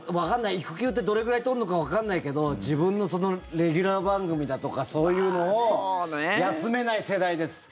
育休ってどれくらい取るのかわからないけど自分のレギュラー番組だとかそういうのを休めない世代です。